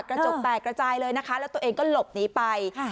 กระจกแตกกระจายเลยนะคะแล้วตัวเองก็หลบหนีไป